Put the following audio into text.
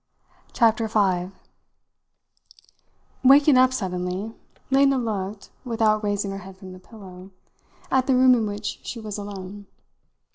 CHAPTER FIVE Waking up suddenly, Lena looked, without raising her head from the pillow, at the room in which she was alone.